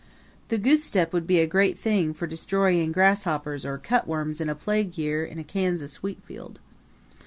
The goosestep would be a great thing for destroying grasshoppers or cutworms in a plague year in a Kansas wheatfield.